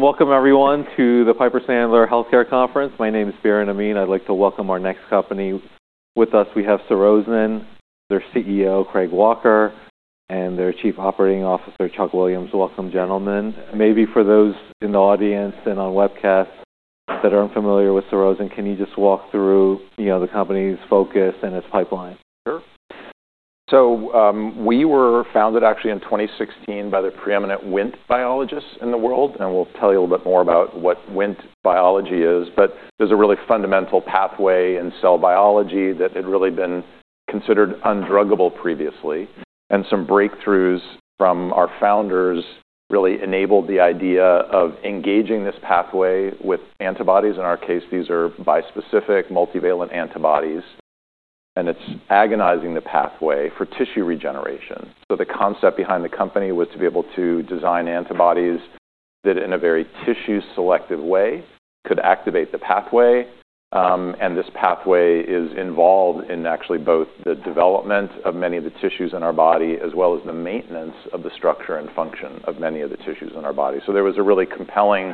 Welcome, everyone, to the Piper Sandler Healthcare Conference. My name is Biren Amin. I'd like to welcome our next company with us. We have Surrozen, their CEO, Craig Parker, and their Chief Operating Officer, Charles Williams. Welcome, gentlemen. Maybe for those in the audience and on webcast that aren't familiar with Surrozen, can you just walk through the company's focus and its pipeline? Sure. We were founded, actually, in 2016 by the preeminent Wnt biologists in the world, and we'll tell you a little bit more about what Wnt biology is. There is a really fundamental pathway in cell biology that had really been considered undruggable previously. Some breakthroughs from our founders really enabled the idea of engaging this pathway with antibodies. In our case, these are bispecific, multivalent antibodies, and it is agonizing the pathway for tissue regeneration. The concept behind the company was to be able to design antibodies that, in a very tissue-selective way, could activate the pathway. This pathway is involved in, actually, both the development of many of the tissues in our body as well as the maintenance of the structure and function of many of the tissues in our body. There was a really compelling,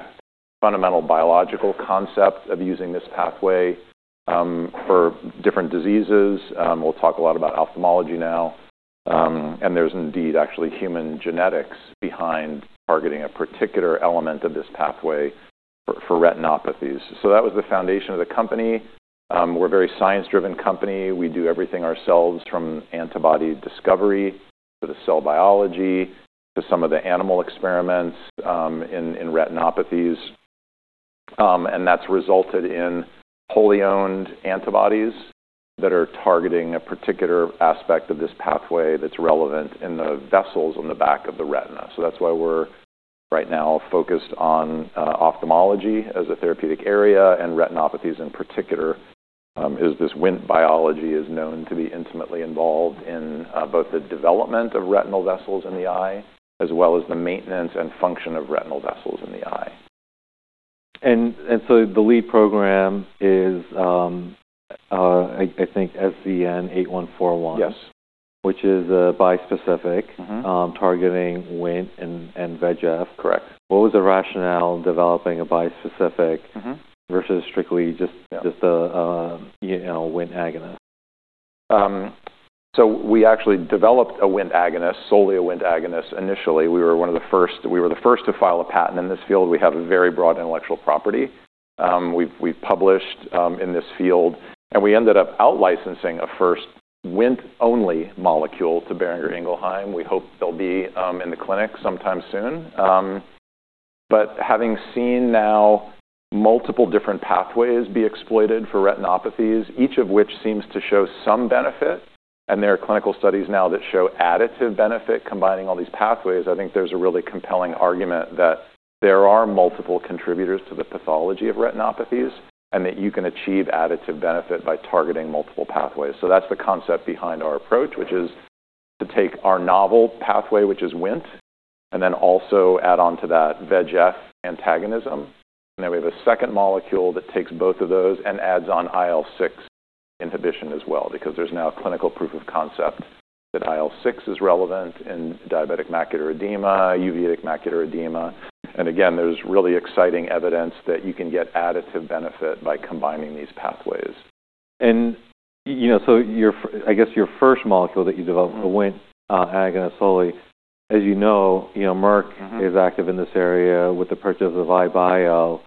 fundamental biological concept of using this pathway for different diseases. We'll talk a lot about ophthalmology now. There's indeed, actually, human genetics behind targeting a particular element of this pathway for retinopathies. That was the foundation of the company. We're a very science-driven company. We do everything ourselves, from antibody discovery to the cell biology to some of the animal experiments in retinopathies. That's resulted in wholly-owned antibodies that are targeting a particular aspect of this pathway that's relevant in the vessels on the back of the retina. That's why we're right now focused on ophthalmology as a therapeutic area and retinopathies in particular, as this Wnt biology is known to be intimately involved in both the development of retinal vessels in the eye as well as the maintenance and function of retinal vessels in the eye. The lead program is, I think, SZN-8141, which is a bispecific targeting Wnt and VEGF. Correct. What was the rationale in developing a bispecific versus strictly just a Wnt agonist? We actually developed a Wnt agonist, solely a Wnt agonist, initially. We were one of the first. We were the first to file a patent in this field. We have a very broad intellectual property. We've published in this field. We ended up out-licensing a first Wnt-only molecule to Boehringer Ingelheim. We hope they'll be in the clinic sometime soon. Having seen now multiple different pathways be exploited for retinopathies, each of which seems to show some benefit, and there are clinical studies now that show additive benefit combining all these pathways, I think there's a really compelling argument that there are multiple contributors to the pathology of retinopathies and that you can achieve additive benefit by targeting multiple pathways. That's the concept behind our approach, which is to take our novel pathway, which is Wnt, and then also add on to that VEGF antagonism. We have a second molecule that takes both of those and adds on IL-6 inhibition as well because there is now clinical proof of concept that IL-6 is relevant in diabetic macular edema, uveitic macular edema. Again, there is really exciting evidence that you can get additive benefit by combining these pathways. I guess your first molecule that you developed, the Wnt agonist, solely, as you know, Merck is active in this area with the purchase of EyeBio,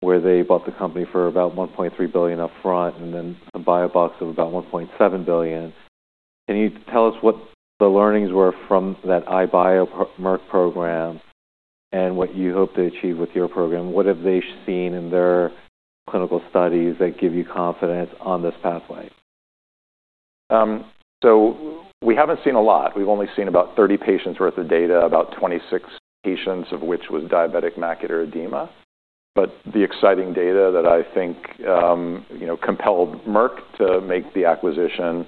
where they bought the company for about $1.3 billion upfront and then a biobucks of about $1.7 billion. Can you tell us what the learnings were from that EyeBio-Merck program and what you hope to achieve with your program? What have they seen in their clinical studies that give you confidence on this pathway? We have not seen a lot. We have only seen about 30 patients' worth of data, about 26 patients, of which was diabetic macular edema. The exciting data that I think compelled Merck to make the acquisition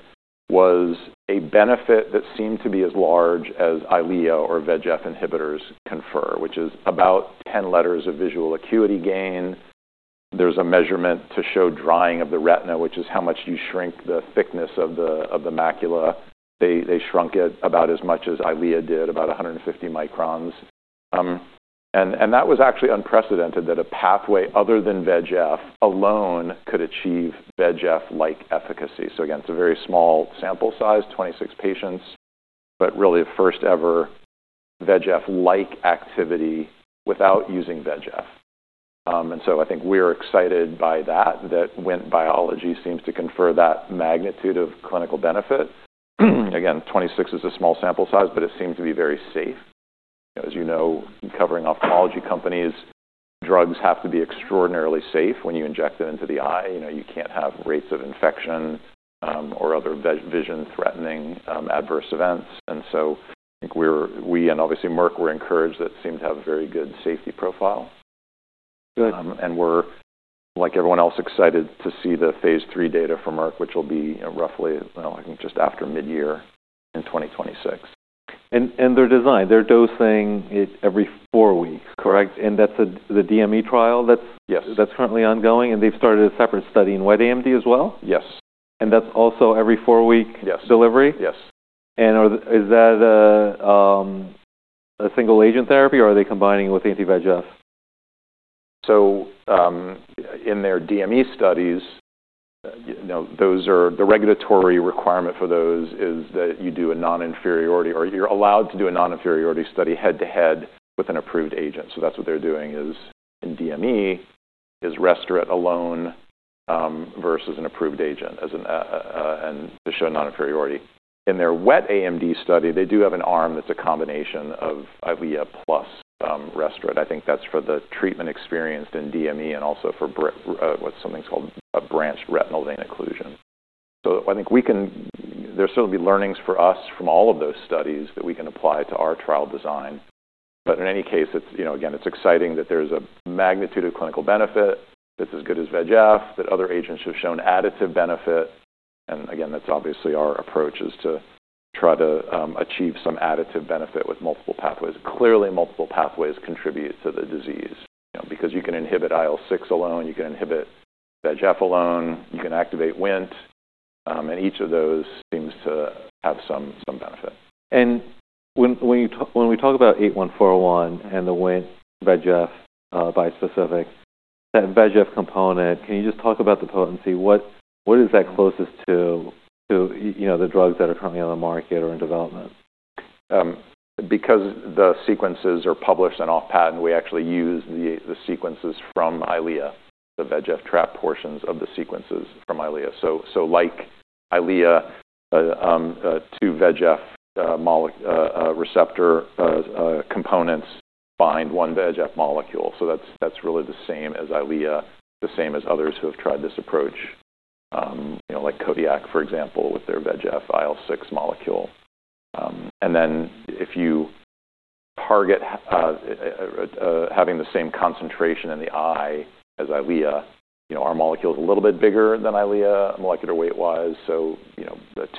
was a benefit that seemed to be as large as Eylea or VEGF inhibitors confer, which is about 10 letters of visual acuity gain. There is a measurement to show drying of the retina, which is how much you shrink the thickness of the macula. They shrunk it about as much as Eylea did, about 150 microns. That was actually unprecedented, that a pathway other than VEGF alone could achieve VEGF-like efficacy. It is a very small sample size, 26 patients, but really a first-ever VEGF-like activity without using VEGF. I think we are excited by that, that Wnt biology seems to confer that magnitude of clinical benefit. Again, 26 is a small sample size, but it seems to be very safe. As you know, covering ophthalmology companies, drugs have to be extraordinarily safe when you inject them into the eye. You can't have rates of infection or other vision-threatening adverse events. I think we and obviously Merck were encouraged that it seemed to have a very good safety profile. Good. We're, like everyone else, excited to see the phase III data from Merck, which will be roughly, I think, just after mid-year in 2026. Their design, they're dosing it every four weeks, correct? And that's the DME trial that's currently ongoing? They've started a separate study in Wet AMD as well? Yes. That's also every four-week delivery? Yes. Is that a single-agent therapy, or are they combining with anti-VEGF? In their DME studies, the regulatory requirement for those is that you do a non-inferiority or you're allowed to do a non-inferiority study head-to-head with an approved agent. That's what they're doing in DME, is Restoret alone versus an approved agent to show non-inferiority. In their Wet AMD study, they do have an arm that's a combination of Eylea plus restored. I think that's for the treatment experienced in DME and also for what's something called a branched retinal vein occlusion. I think there'll certainly be learnings for us from all of those studies that we can apply to our trial design. In any case, again, it's exciting that there's a magnitude of clinical benefit, that it's as good as VEGF, that other agents have shown additive benefit. Again, that's obviously our approach is to try to achieve some additive benefit with multiple pathways. Clearly, multiple pathways contribute to the disease because you can inhibit IL-6 alone, you can inhibit VEGF alone, you can activate Wnt, and each of those seems to have some benefit. When we talk about 8141 and the Wnt VEGF bispecific, that VEGF component, can you just talk about the potency? What is that closest to, the drugs that are currently on the market or in development? Because the sequences are published and off-patent, we actually use the sequences from Eylea, the VEGF trap portions of the sequences from Eylea. Like Eylea, two VEGF receptor components bind one VEGF molecule. That is really the same as Eylea, the same as others who have tried this approach, like Kodiak, for example, with their VEGF IL-6 molecule. If you target having the same concentration in the eye as Eylea, our molecule is a little bit bigger than Eylea molecular weight-wise. The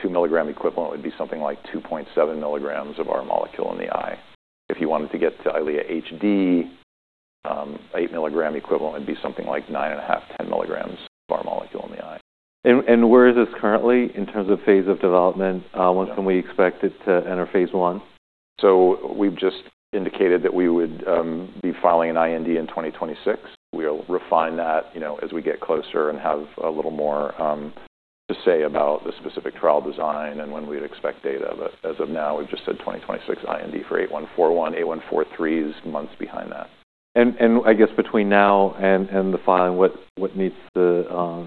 2 milligram equivalent would be something like 2.7 milligrams of our molecule in the eye. If you wanted to get to Eylea HD, 8 milligram equivalent would be something like 9.5 milligrams, 10 milligrams of our molecule in the eye. Where is this currently in terms of phase of development? When can we expect it to enter phase I? We have just indicated that we would be filing an IND in 2026. We will refine that as we get closer and have a little more to say about the specific trial design and when we would expect data. As of now, we have just said 2026 IND for 8141. 8143 is months behind that. I guess between now and the filing, what needs to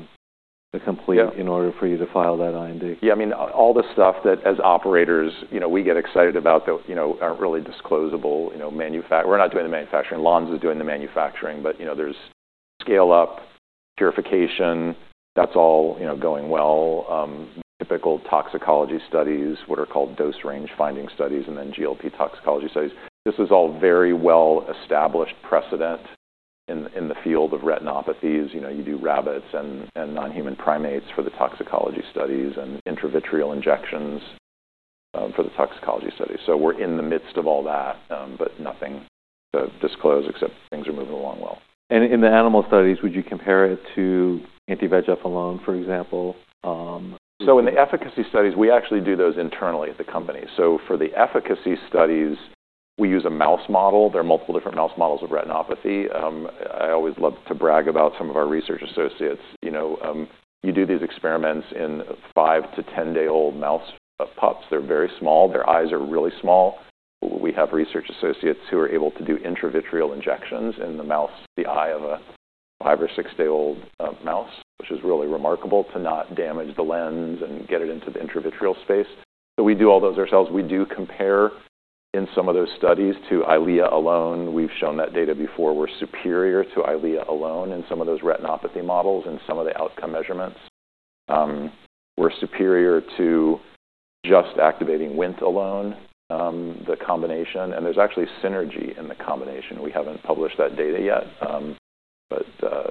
complete in order for you to file that IND? Yeah. I mean, all the stuff that, as operators, we get excited about that aren't really disclosable. We're not doing the manufacturing. Lonza is doing the manufacturing. But there's scale-up, purification. That's all going well. Typical toxicology studies, what are called dose range finding studies, and then GLP toxicology studies. This is all very well-established precedent in the field of retinopathies. You do rabbits and non-human primates for the toxicology studies and intravitreal injections for the toxicology studies. We're in the midst of all that, but nothing to disclose except things are moving along well. In the animal studies, would you compare it to anti-VEGF alone, for example? In the efficacy studies, we actually do those internally at the company. For the efficacy studies, we use a mouse model. There are multiple different mouse models of retinopathy. I always love to brag about some of our research associates. You do these experiments in five to ten-day-old mouse pups. They're very small. Their eyes are really small. We have research associates who are able to do intravitreal injections in the eye of a five or six-day-old mouse, which is really remarkable to not damage the lens and get it into the intravitreal space. We do all those ourselves. We do compare in some of those studies to Eylea alone. We've shown that data before. We're superior to Eylea alone in some of those retinopathy models and some of the outcome measurements. We're superior to just activating Wnt alone, the combination. There is actually synergy in the combination. We have not published that data yet. It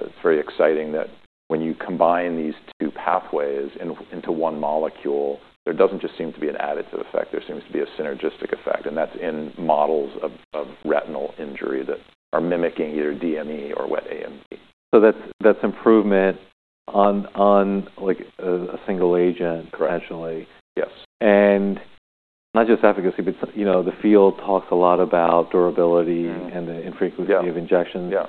is very exciting that when you combine these two pathways into one molecule, there does not just seem to be an additive effect. There seems to be a synergistic effect. That is in models of retinal injury that are mimicking either DME or Wet AMD. That's improvement on a single agent potentially. Yes. Not just efficacy, but the field talks a lot about durability and the infrequency of injections. Yeah.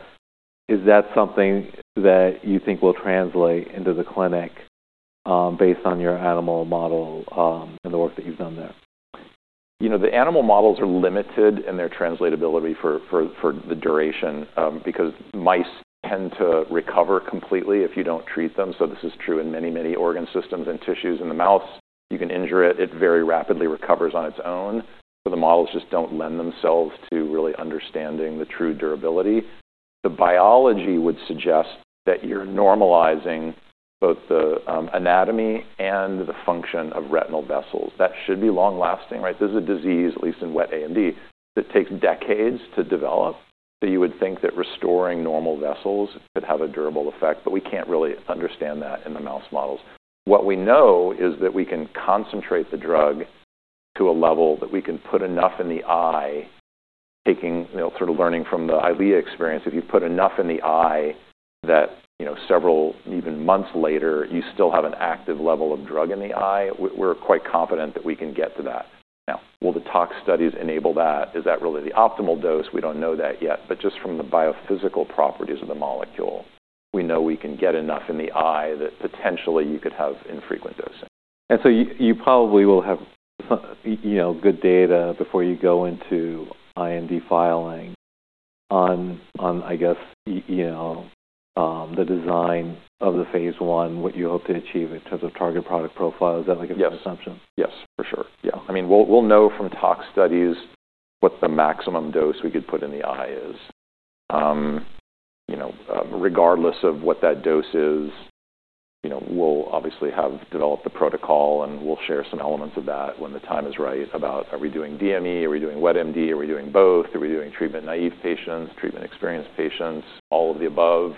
Is that something that you think will translate into the clinic based on your animal model and the work that you've done there? The animal models are limited in their translatability for the duration because mice tend to recover completely if you don't treat them. This is true in many, many organ systems and tissues in the mouse. You can injure it. It very rapidly recovers on its own. The models just don't lend themselves to really understanding the true durability. The biology would suggest that you're normalizing both the anatomy and the function of retinal vessels. That should be long-lasting, right? This is a disease, at least in Wet AMD, that takes decades to develop. You would think that restoring normal vessels could have a durable effect, but we can't really understand that in the mouse models. What we know is that we can concentrate the drug to a level that we can put enough in the eye, sort of learning from the Eylea experience. If you put enough in the eye that several, even months later, you still have an active level of drug in the eye, we're quite confident that we can get to that. Now, will the tox studies enable that? Is that really the optimal dose? We don't know that yet. But just from the biophysical properties of the molecule, we know we can get enough in the eye that potentially you could have infrequent dosing. You probably will have good data before you go into IND filing on, I guess, the design of the phase I, what you hope to achieve in terms of target product profile. Is that a good assumption? Yes. Yes, for sure. Yeah. I mean, we'll know from tox studies what the maximum dose we could put in the eye is. Regardless of what that dose is, we'll obviously have developed the protocol, and we'll share some elements of that when the time is right about, are we doing DME? Are we doing Wet AMD? Are we doing both? Are we doing treatment naive patients, treatment experienced patients, all of the above?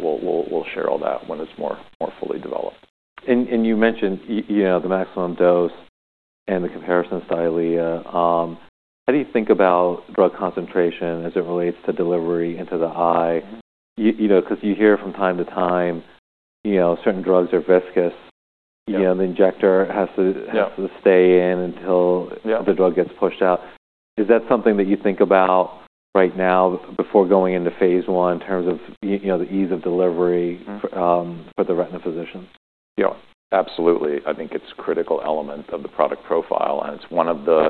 We'll share all that when it's more fully developed. You mentioned the maximum dose and the comparisons to Eylea. How do you think about drug concentration as it relates to delivery into the eye? Because you hear from time to time certain drugs are viscous. The injector has to stay in until the drug gets pushed out. Is that something that you think about right now before going into phase I in terms of the ease of delivery for the retina physician? Yeah. Absolutely. I think it's a critical element of the product profile. And it's one of the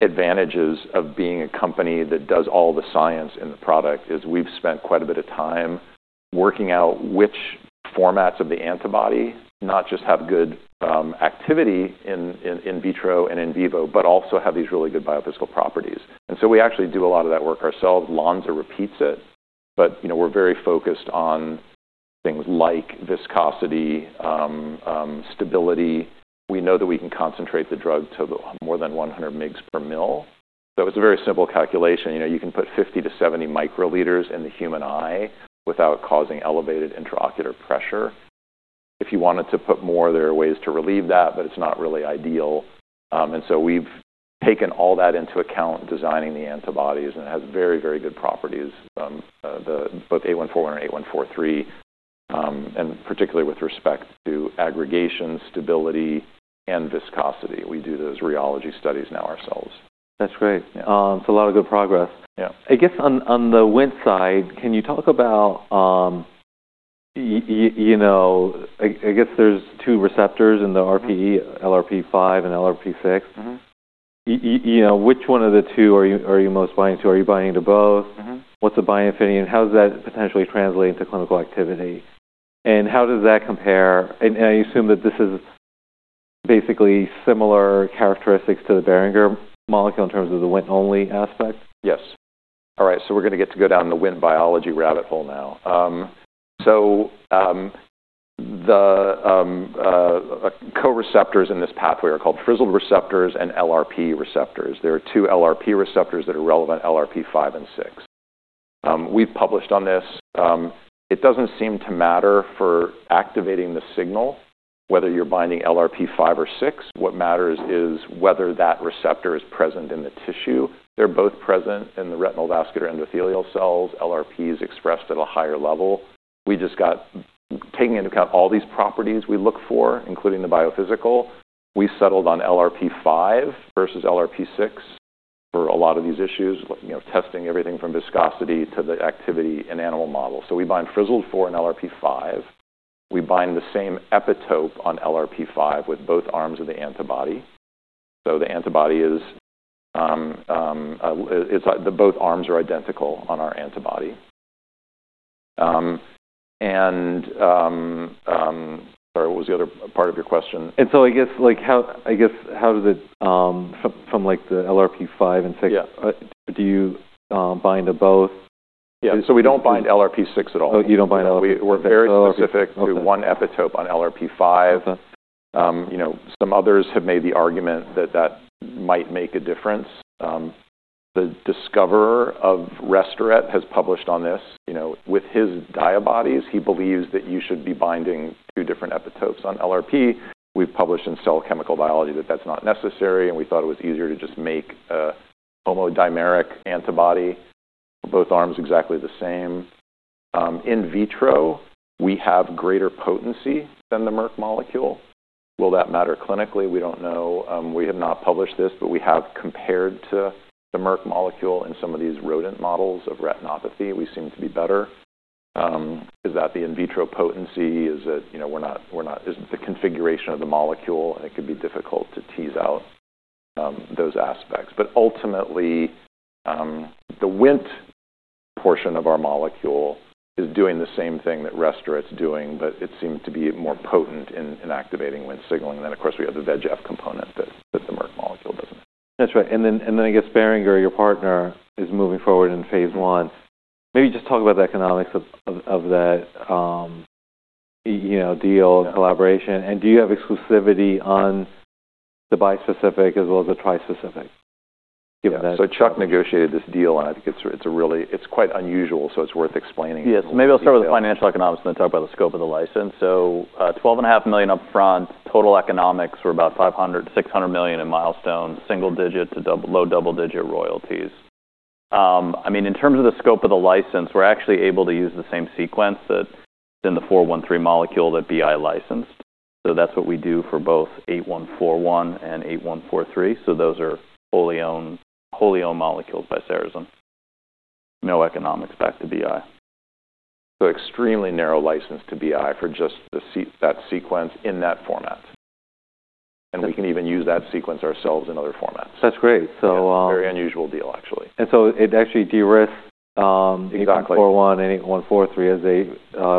advantages of being a company that does all the science in the product is we've spent quite a bit of time working out which formats of the antibody not just have good activity in vitro and in vivo, but also have these really good biophysical properties. And so we actually do a lot of that work ourselves. Lonza repeats it. But we're very focused on things like viscosity, stability. We know that we can concentrate the drug to more than 100 mg/mL. So it's a very simple calculation. You can put 50 microliters-70 microliters in the human eye without causing elevated intraocular pressure. If you wanted to put more, there are ways to relieve that, but it's not really ideal. We have taken all that into account designing the antibodies, and it has very, very good properties, both 8141 and 8143, and particularly with respect to aggregation, stability, and viscosity. We do those rheology studies now ourselves. That's great. It's a lot of good progress. Yeah. I guess on the Wnt side, can you talk about, I guess there's two receptors in the RPE, LRP5 and LRP6. Which one of the two are you most binding to? Are you binding to both? What's the binding opinion? How does that potentially translate into clinical activity? How does that compare? I assume that this is basically similar characteristics to the Boehringer molecule in terms of the Wnt-only aspect? Yes. All right. We are going to get to go down the Wnt biology rabbit hole now. The co-receptors in this pathway are called Frizzled receptors and LRP receptors. There are two LRP receptors that are relevant, LRP5 and LRP6. We have published on this. It does not seem to matter for activating the signal, whether you are binding LRP5 or LRP6. What matters is whether that receptor is present in the tissue. They are both present in the retinal vascular endothelial cells. LRP5 is expressed at a higher level. Taking into account all these properties we look for, including the biophysical, we settled on LRP5 versus LRP6 for a lot of these issues, testing everything from viscosity to the activity in animal models. We bind Frizzled 4 and LRP5. We bind the same epitope on LRP5 with both arms of the antibody. The antibody is, both arms are identical on our antibody. Sorry, what was the other part of your question? I guess how does it, from the LRP5/6, do you bind to both? Yeah. So we don't bind LRP6 at all. Oh, you don't bind LRP6. We're very specific to one epitope on LRP5. Some others have made the argument that that might make a difference. The discoverer of Restoret has published on this. With his diabodies, he believes that you should be binding two different epitopes on LRP. We've published in Cell Chemical Biology that that's not necessary, and we thought it was easier to just make a homodimeric antibody. Both arms exactly the same. In vitro, we have greater potency than the Merck molecule. Will that matter clinically? We don't know. We have not published this, but we have compared to the Merck molecule in some of these rodent models of retinopathy. We seem to be better. Is that the in vitro potency? Is it the configuration of the molecule? It could be difficult to tease out those aspects. Ultimately, the Wnt portion of our molecule is doing the same thing that Restoret's doing, but it seemed to be more potent in activating Wnt signaling. Of course, we have the VEGF component that the Merck molecule doesn't. That's right. I guess Boehringer, your partner, is moving forward in phase I. Maybe just talk about the economics of that deal and collaboration. Do you have exclusivity on the bispecific as well as the trispecific? Yeah. Chuck negotiated this deal, and I think it's quite unusual, so it's worth explaining. Yeah. Maybe I'll start with the financial economics, and then talk about the scope of the license. $12.5 million upfront. Total economics were about $500 million-$600 million in milestones, single-digit to low double-digit royalties. I mean, in terms of the scope of the license, we're actually able to use the same sequence that's in the 413 molecule that Boehringer Ingelheim licensed. That's what we do for both 8141 and 8143. Those are wholly owned molecules by Surrozen. No economics back to Boehringer Ingelheim. Extremely narrow license to BI for just that sequence in that format. And we can even use that sequence ourselves in other formats. That's great. Very unusual deal, actually. It actually de-risked 8141 and 8143 as they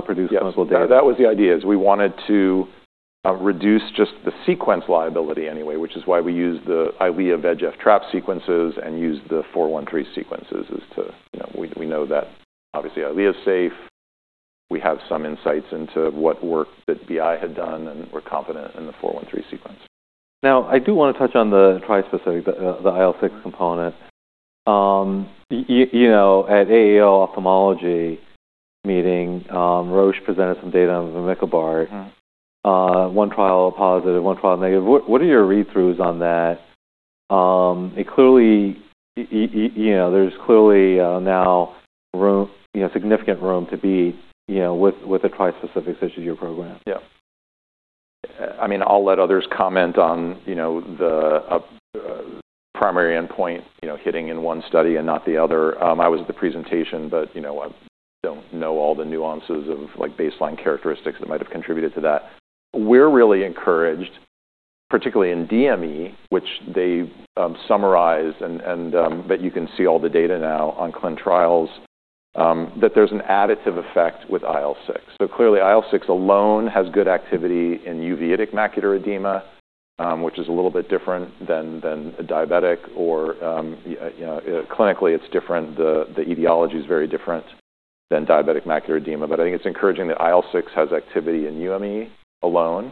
produce clinical data. Yeah. That was the idea. We wanted to reduce just the sequence liability anyway, which is why we used the Eylea VEGF trap sequences and used the 413 sequences as to we know that, obviously, Eylea's safe. We have some insights into what work that Boehringer Ingelheim had done, and we're confident in the 413 sequence. Now, I do want to touch on the trispecific, the IL-6 component. At AAO ophthalmology meeting, Roche presented some data on the Microbot. One trial positive, one trial negative. What are your read-throughs on that? There's clearly now significant room to be with the trispecifics such as your program. Yeah. I mean, I'll let others comment on the primary endpoint hitting in one study and not the other. I was at the presentation, but I don't know all the nuances of baseline characteristics that might have contributed to that. We're really encouraged, particularly in DME, which they summarized, but you can see all the data now on clin trials, that there's an additive effect with IL-6. So clearly, IL-6 alone has good activity in uveitic macular edema, which is a little bit different than diabetic. Or clinically, it's different. The etiology is very different than diabetic macular edema. I think it's encouraging that IL-6 has activity in UME alone.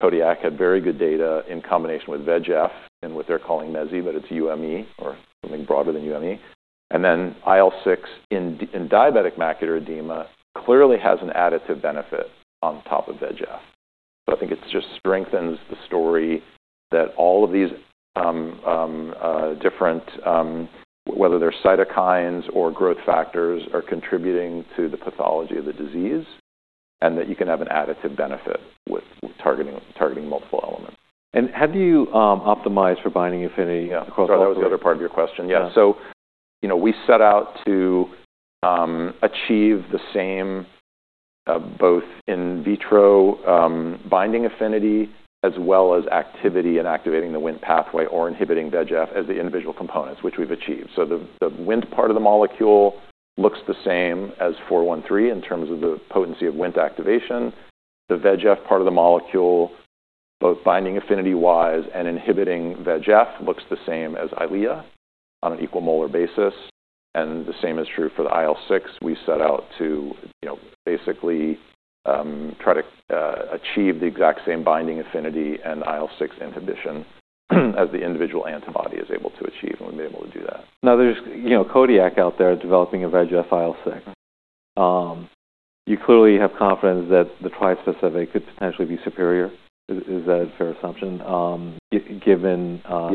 Kodiak had very good data in combination with VEGF and what they're calling [Mezzy], but it's UME or something broader than UME. And then IL-6 in diabetic macular edema clearly has an additive benefit on top of VEGF. I think it just strengthens the story that all of these different, whether they're cytokines or growth factors, are contributing to the pathology of the disease and that you can have an additive benefit with targeting multiple elements. How do you optimize for binding affinity across multiple? Sorry, that was the other part of your question. Yeah. We set out to achieve the same both in vitro binding affinity as well as activity in activating the Wnt pathway or inhibiting VEGF as the individual components, which we've achieved. The Wnt part of the molecule looks the same as 413 in terms of the potency of Wnt activation. The VEGF part of the molecule, both binding affinity-wise and inhibiting VEGF, looks the same as Eylea on an equal molar basis. The same is true for the IL-6. We set out to basically try to achieve the exact same binding affinity and IL-6 inhibition as the individual antibody is able to achieve. We've been able to do that. Now, there's Kodiak out there developing a VEGF IL-6. You clearly have confidence that the trispecific could potentially be superior. Is that a fair assumption given how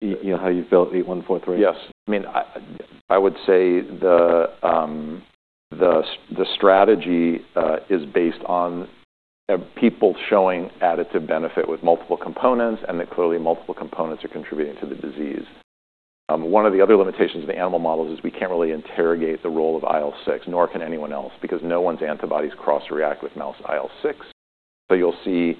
you've built 8143? Yes. I mean, I would say the strategy is based on people showing additive benefit with multiple components and that clearly multiple components are contributing to the disease. One of the other limitations of the animal models is we can't really interrogate the role of IL-6, nor can anyone else, because no one's antibodies cross-react with mouse IL-6. You will see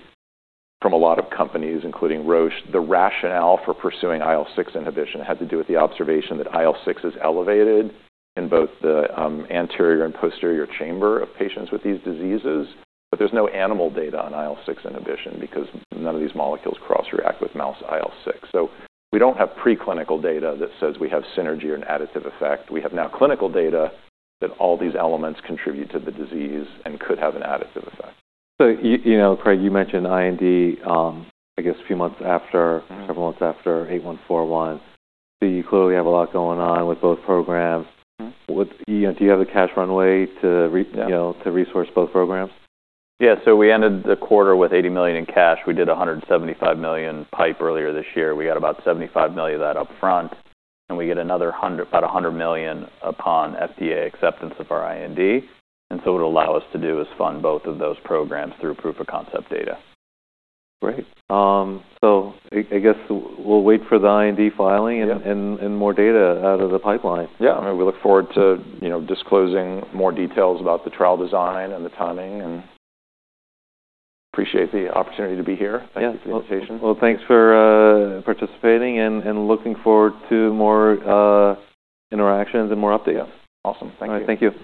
from a lot of companies, including Roche, the rationale for pursuing IL-6 inhibition had to do with the observation that IL-6 is elevated in both the anterior and posterior chamber of patients with these diseases. There is no animal data on IL-6 inhibition because none of these molecules cross-react with mouse IL-6. We do not have preclinical data that says we have synergy or an additive effect. We have now clinical data that all these elements contribute to the disease and could have an additive effect. Craig, you mentioned IND, I guess, a few months after, several months after 8141. You clearly have a lot going on with both programs. Do you have the cash runway to resource both programs? Yeah. We ended the quarter with $80 million in cash. We did a $175 million pipe earlier this year. We got about $75 million of that upfront. We get about $100 million upon FDA acceptance of our IND. What it'll allow us to do is fund both of those programs through proof of concept data. Great. I guess we'll wait for the IND filing and more data out of the pipeline. Yeah. We look forward to disclosing more details about the trial design and the timing. I appreciate the opportunity to be here. Thank you for the invitation. Thanks for participating and looking forward to more interactions and more updates. Awesome. Thank you. All right. Thank you.